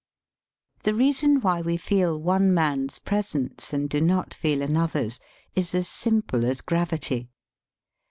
"The reason why we feel one man's presence, and do not feel another's, is as simple as gravity.